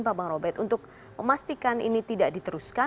telah menjadi suatu ulasan keadaan kebaikan indonesia